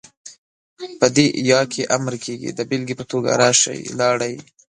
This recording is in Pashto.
په دې ئ کې امر کيږي، دا بيلګې په توګه ، راشئ، لاړئ،